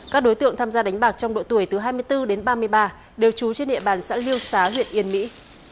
các đối tượng tham gia đánh bạc trong độ tuổi từ hai mươi bốn đến ba mươi ba đều trú trên địa bàn xã liêu xá huyện yên mỹ